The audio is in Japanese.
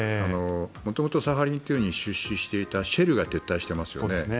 元々、サハリン２に出資していたシェルが撤退していますよね。